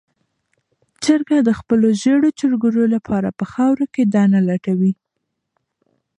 چرګه د خپلو ژېړو چرګوړو لپاره په خاوره کې دانه لټوي.